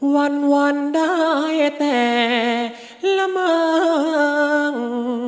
วันวันได้แต่ละเมือง